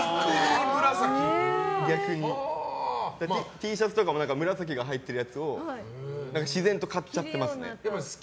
Ｔシャツとかも紫が入ってるやつを自然と買っちゃってますね。